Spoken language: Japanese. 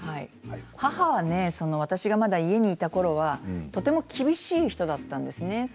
母は私がまだ家にいたころはとても厳しい人だったんですね。